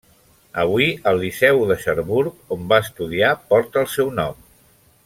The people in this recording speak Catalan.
Avui, el liceu de Cherbourg on va estudiar porta el seu nom.